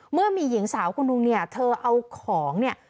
เมื่อมีหญิงสาวคนนึงเนี่ยเธอเอาของเนี่ย